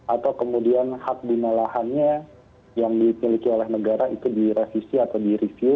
atau kemudian hak bina lahannya yang dimiliki oleh negara itu direvisi atau direview